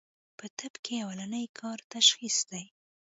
پۀ طب کښې اولنی کار تشخيص دی